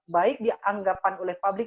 baik dianggap oleh publik